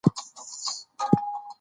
د ژورنال مدیر بروس هولسینګر دی.